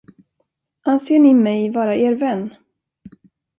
Anser ni mig vara er vän?